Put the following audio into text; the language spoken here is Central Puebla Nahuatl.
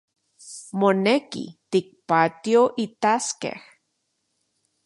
Moneki tikpatioitaskej